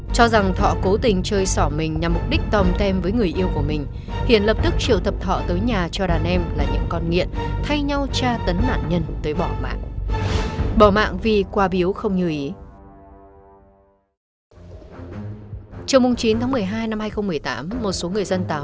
cho rằng thọ cố tình chơi sỏ mình nhằm mục đích tòm tem với người yêu của mình hiển lập tức triệu thập thọ tới nhà cho đàn em là những con nghiện thay nhau tra tấn nạn nhân tới bỏ mạng